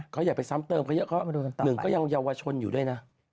เขาอย่าไปซ้ำเติมเขาเยอะเขาหนึ่งก็ยังเยาวชนอยู่ด้วยนะ